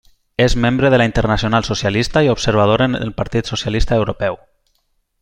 És membre de la Internacional Socialista i observador en el Partit Socialista Europeu.